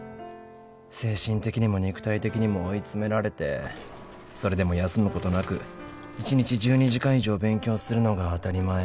精神的にも肉体的にも追い詰められてそれでも休むことなく１日１２時間以上勉強するのが当たり前。